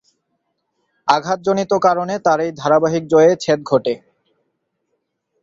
আঘাতজনিত কারণে তার এই ধারাবাহিক জয়ে ছেদ ঘটে।